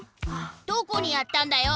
どこにやったんだよ！